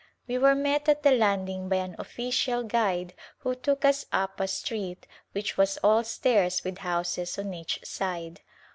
We were met at the landing by an official guide who took us up a street which was all stairs with houses on each side.